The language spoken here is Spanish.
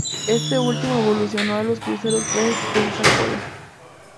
Este último evolucionó a los cruceros clase Pensacola.